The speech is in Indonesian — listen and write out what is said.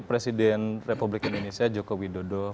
presiden republik indonesia joko widodo